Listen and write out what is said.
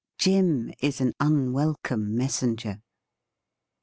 JIM IS AN UNWELCOME MESSENGEE.